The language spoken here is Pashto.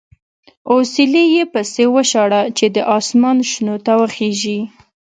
اوسیلی یې پسې وشاړه چې د اسمان شنو ته وخېژي.